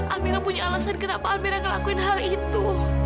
amira punya alasan kenapa amira ngelakuin hal itu